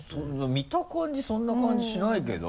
見た感じそんな感じしないけど。